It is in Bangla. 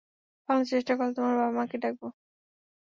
পালানোর চেষ্টা করলে, তোমার বাবা মাকে ডাকবো!